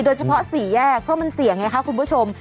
โดยเฉพาะสี่แยกเพราะมันเสี่ยงไงคะคุณผู้ชม